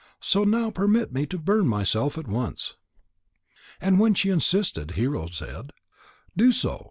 So now permit me to burn myself at once." And when she insisted, Hero said: "Do so.